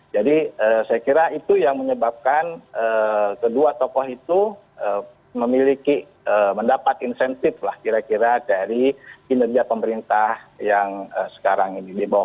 jadi saya kira itu yang menyebabkan kedua tokoh itu memiliki mendapat insentif lah kira kira dari kinerja pemerintah yang sekarang ini di bawah pak jokowi